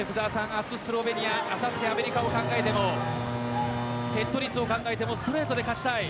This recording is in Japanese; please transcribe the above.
明日、スロベニアあさって、アメリカを考えてもセット率を考えてもストレートで勝ちたい。